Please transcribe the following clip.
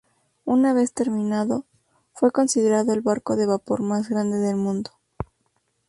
Una vez terminado, fue considerado el barco de vapor más grande del mundo.